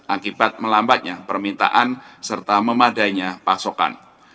akibat melambatnya permintaan serta memadainya pasokan